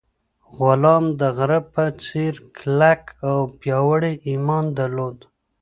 غلام د غره په څېر کلک او پیاوړی ایمان درلود.